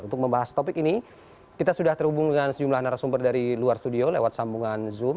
untuk membahas topik ini kita sudah terhubung dengan sejumlah narasumber dari luar studio lewat sambungan zoom